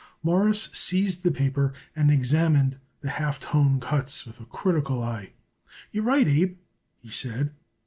Morris seized the paper and examined the half tone cuts with a critical eye. "You're right, Abe," he said.